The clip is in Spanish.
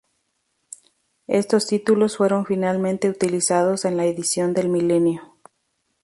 Estos títulos fueron finalmente utilizados en la edición del Milenio.